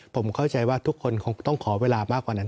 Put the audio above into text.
ผมเข้าใจว่าทุกคนคงต้องขอเวลามากกว่านั้น